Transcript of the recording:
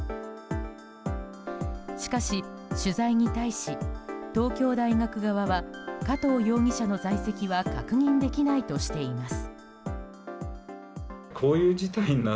しかし、取材に対し東京大学側は加藤容疑者の在籍は確認できないとしています。